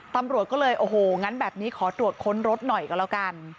ตำรวจก็เลยโอ้โหงั้นแบบนี้ขอตรวจค้นรถหน่อยก็แล้วกัน